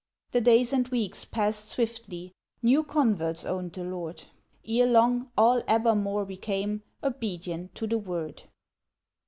The days and weeks passed swiftly, New converts owned the Lord, Ere long, all Abermawr became Obedient to the Word.